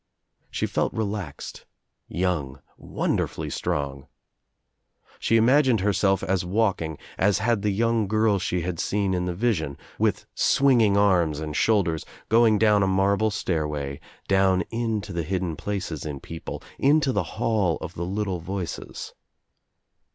She felt relaxed, young, wonderfully strong. She imagined herself as walking, as had the young girl she had seen in the vision, with swinging arms and shoulders, going down a marble stairway — down into the hidden places in people, into the hall of the little voices.